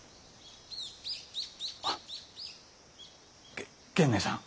げ源内さん。